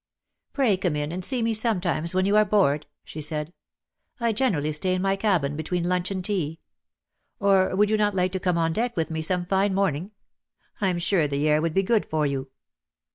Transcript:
"Pray come in and see me sometimes when you are bored," she said. "I generally stay in my cabin between lunch and tea. Or would you not like to come on deck with me some fine morning? I'm sure the air would be good for you."